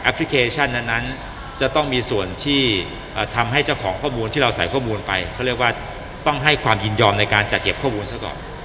พลิเคชันนั้นจะต้องมีส่วนที่ทำให้เจ้าของข้อมูลที่เราใส่ข้อมูลไปเขาเรียกว่าต้องให้ความยินยอมในการจัดเก็บข้อมูลซะก่อน